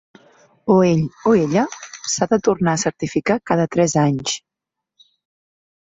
O ell o ella s'ha de tornar a certificar cada tres anys.